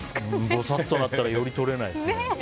ぼさっとなったらより取れないですよね。